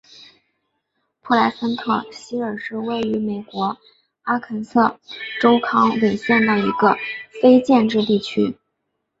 普莱森特希尔是位于美国阿肯色州康韦县的一个非建制地区。